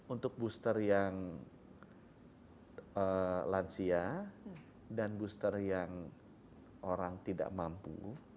untuk booster yang lansia dan booster yang orang tidak mampu